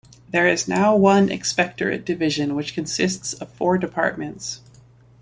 There is now one Inspectorate division which consists of four departments.